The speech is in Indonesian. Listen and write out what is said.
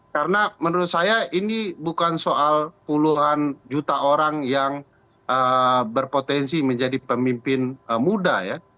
karena menurut saya ini bukan soal puluhan juta orang yang berpotensi menjadi pemimpin muda ya